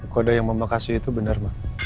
kode yang mama kasih itu bener